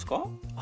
あ。